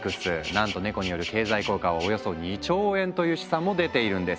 なんとネコによる経済効果はおよそ２兆円という試算も出ているんです。